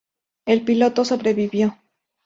El piloto sobrevivió.